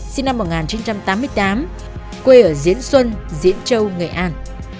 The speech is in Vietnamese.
sinh năm một nghìn chín trăm tám mươi tám quê ở diễn xuân diễn châu nghệ an